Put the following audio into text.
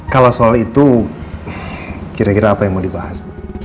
kalau soal itu kira kira apa yang mau dibahas